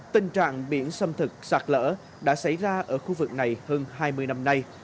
tình trạng biển xâm thực sạt lở đã xảy ra ở khu vực này hơn hai mươi năm nay